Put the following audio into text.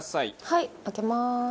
はい開けます。